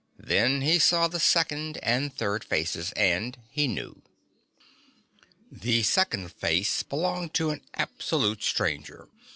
Then he saw the second and third faces, and he knew. The second face belonged to an absolute stranger.